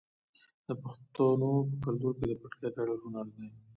د پښتنو په کلتور کې د پټکي تړل هنر دی.